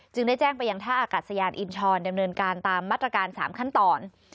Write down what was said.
ได้แจ้งไปยังท่าอากาศยานอินชรดำเนินการตามมาตรการ๓ขั้นตอน